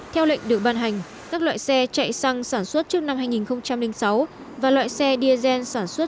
theo lệnh được ban hành các loại xe chạy xăng sản xuất trước năm hai nghìn sáu và loại xe diesel sản xuất